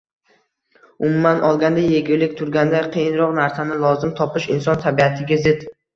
Umuman olganda, yengillik turganda qiyinroq narsani lozim topish inson tabiatiga zid.